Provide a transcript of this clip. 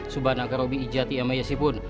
subhanakarobi ijati amayasipun